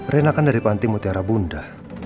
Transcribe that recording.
rena kan dari panti mutiara bunda